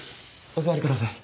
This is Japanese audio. お座りください。